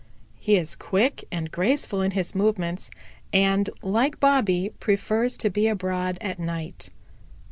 "He is quick and graceful in his movements, and, like Bobby, prefers to be abroad at night.